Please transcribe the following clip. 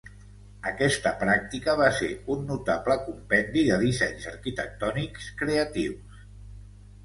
Aquesta pràctica va ser un notable compendi de dissenys arquitectònics creatius.